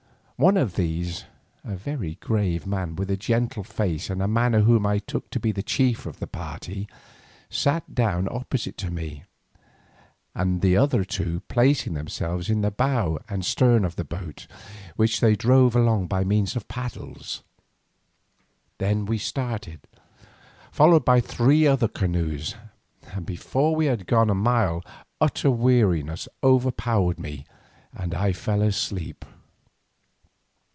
One of these, a very grave man with a gentle face and manner whom I took to be the chief of the party, sat down opposite to me, the other two placing themselves in the bow and stern of the boat which they drove along by means of paddles. Then we started, followed by three other canoes, and before we had gone a mile utter weariness overpowered me and I fell asleep.